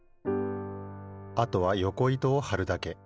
あとはよこ糸をはるだけ。